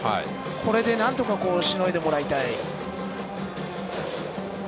これでなんとかしのいでもらいたい。